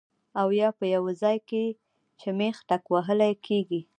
او يا پۀ يو ځائے کې چې مېخ ټکوهلی کيږي